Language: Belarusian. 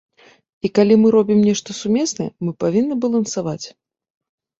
І калі мы робім нешта сумеснае, мы павінны балансаваць.